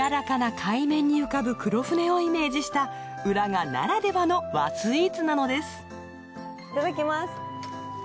海面に浮かぶ黒船をイメージした浦賀ならではの和スイーツなのですいただきます。